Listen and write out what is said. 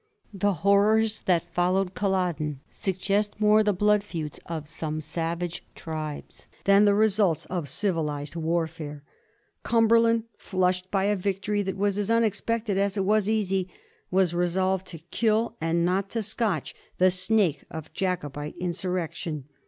The horrors that followed Culloden suggest more the blood feuds of some savage tribes than the results of civilized warfare. Cumberland, flushed by a victory that was as unexpected as it was easy, was resolved to kill, and not to scotch, the snake of Jacobite insurrection.